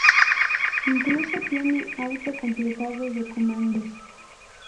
Incluso tiene auto-completado de comandos.